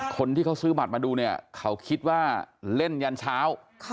คนที่เขาซื้อบัตรมาดูเนี่ยเขาคิดว่าเล่นยันเช้า